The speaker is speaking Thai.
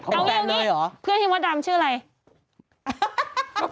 เอาอย่างนี้เพื่อนพี่มดดำชื่ออะไร